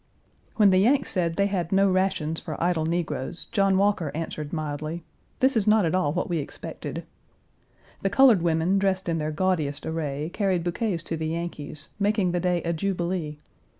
When the Yanks said they had no rations for idle negroes, John Walker answered mildly, "This is not at all what we expected." The colored women, dressed in their gaudiest array, carried bouquets to the Yankees, making the day a jubilee.